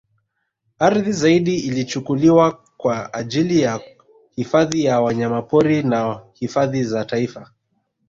Ardhi zaidi ilichukuliwa kwa ajili ya hifadhi ya wanyamapori na hifadhi za taifa